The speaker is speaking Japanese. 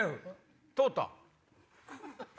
通った。